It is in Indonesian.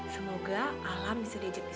semoga alam bisa diajak